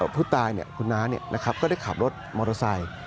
ผู้ตายเนี่ยคุณน้าเนี่ยนะครับก็ได้ขับรถมอเตอร์ไซค์